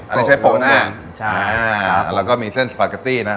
อันนี้ใช้โปะหน้าใช่อ่าแล้วก็มีเส้นสปาเกตตี้นะ